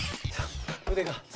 腕が。